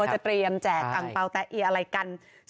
จะเตรียมแจกอังเปล่าแตะเอียอะไรกัน